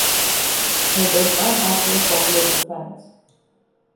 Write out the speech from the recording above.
Her deadpan act was popular with fans.